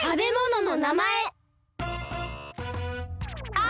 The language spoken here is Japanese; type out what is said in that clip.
あ！